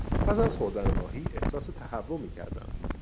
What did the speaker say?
پس از خوردن ماهی احساس تهوع میکردم.